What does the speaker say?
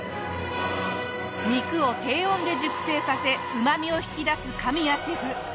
肉を低温で熟成させうまみを引き出す神谷シェフ。